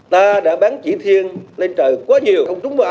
ta đã bán chỉ thiên lên trời quá nhiều không trúng vào ai cả